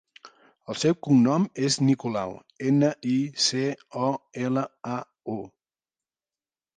El seu cognom és Nicolau: ena, i, ce, o, ela, a, u.